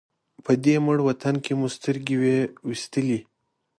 په دې مړ وطن کې مو سترګې وې وېستلې.